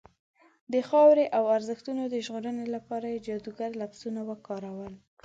د خاورې او ارزښتونو د ژغورنې لپاره یې جادوګر لفظونه وکارول.